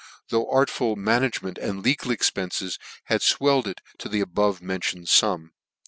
though artful management and legal expences had fwelled it to the the above mentioned fum.